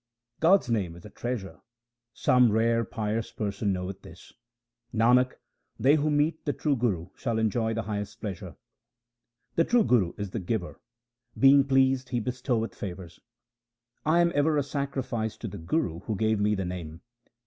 God's name is a treasure : some rare pious person knoweth this. Nanak, they who meet the true Guru shall enjoy the highest pleasure. The true Guru is the giver ; being pleased he bestoweth favours. I am ever a sacrifice to the Guru who gave me the Name.